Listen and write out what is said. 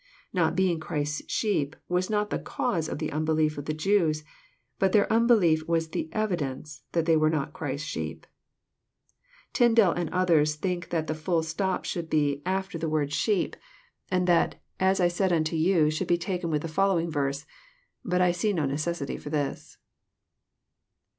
Not being Christ's sheep was not the CAUSE of the unblief of the Jews ; but their unblief was the sy IDENCB that they were not Clirist's sheep. Tyndale and others think that the Aill stop should be after the 210 EXF06ITOBT THOUGHTS. word *' sheep," and that " as I said nnto yon," should be taken with the following verse ; but I see no necessity for this.